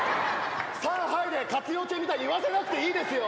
さんはいで活用形みたいに言わせなくていいですよ。